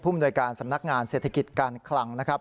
มนวยการสำนักงานเศรษฐกิจการคลังนะครับ